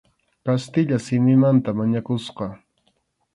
Kastilla simimanta mañakusqa.